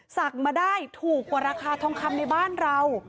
มาได้ถูกกว่าราคาทองคำในบ้านเรา